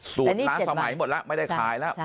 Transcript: สูตรล้าสมัยหมดแล้วไม่ได้ขายแล้ว